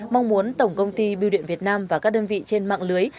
mong muốn tổng công ty biêu điện việt nam và các đơn vị trên mạng lưới